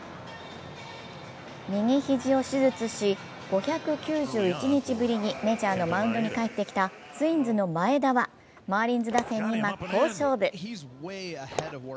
右肘を手術し５９１日ぶりにメジャーのマウンドに帰ってきたツインズの前田はマーリンズ打線に真っ向勝負。